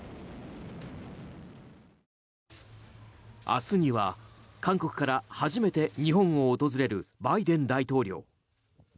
明日には韓国から初めて日本を訪れるバイデン大統領。